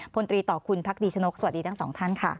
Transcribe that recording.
พลตรีต่อคุณพักดีชนกสวัสดีทั้งสองท่านค่ะ